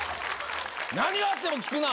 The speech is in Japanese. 何があっても聞くな。